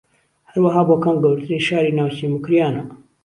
ھەروەھا بۆکان گەورەترین شاری ناوچەی موکریانە